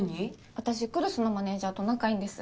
私来栖のマネージャーと仲いいんです。